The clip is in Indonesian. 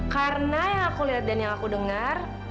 karena yang aku lihat dan yang aku dengar